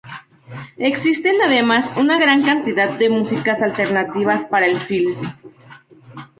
Existen además una gran cantidad de músicas alternativas para el film.